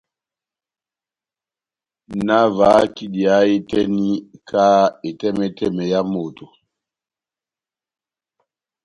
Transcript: Nahavahak' idiya ó hé tɛ́h eni ka etɛmɛtɛmɛ yá moto.